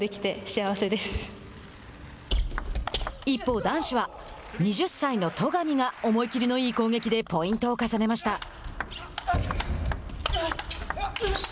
一方男子は２０歳の戸上が思いきりのいい攻撃でポイントを重ねました。